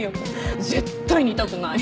絶対似たくない。